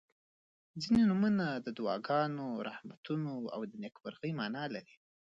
• ځینې نومونه د دعاګانو، رحمتونو او نیکمرغۍ معنا لري.